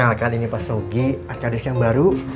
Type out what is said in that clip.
dokter kenalkan ini pak sogi pasca desa yang baru